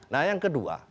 nah yang kedua